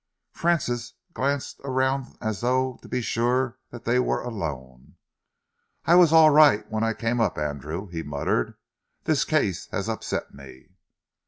Francis glanced around as though to be sure that they were alone. "I was all right when I came up, Andrew," he muttered. "This case has upset me."